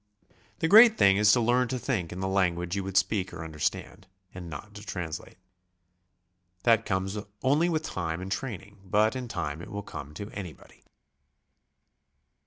The great thing is to learn to think in the language you would speak or understand, and not to translate. That comes only with time and training, but in time it will come to anybody.